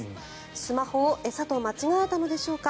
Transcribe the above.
スマホを餌と間違えたのでしょうか。